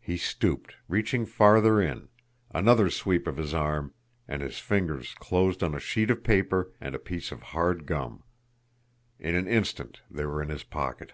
He stooped, reaching farther in another sweep of his arm and his fingers closed on a sheet of paper and a piece of hard gum. In an instant they were in his pocket.